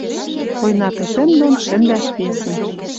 Война пӹтӹм дон шӹндӓш весӹм.